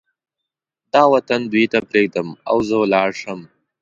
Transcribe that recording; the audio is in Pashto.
دا وطن دوی ته پرېږدم او زه ولاړ شم.